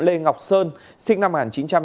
lê ngọc sơn sinh năm một nghìn chín trăm chín mươi năm